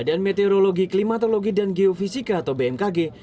badan meteorologi klimatologi dan geofisika atau bmkg